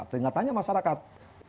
tidak tanya masyarakat